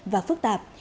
và phức tạp